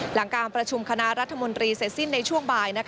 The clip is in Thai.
หลังการประชุมคณะรัฐมนตรีเสร็จสิ้นในช่วงบ่าย